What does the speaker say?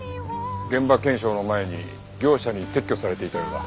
現場検証の前に業者に撤去されていたようだ。